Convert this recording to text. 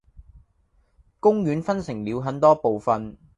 公園分成了很多部分